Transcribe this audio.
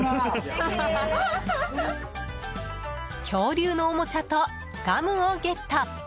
恐竜のおもちゃとガムをゲット。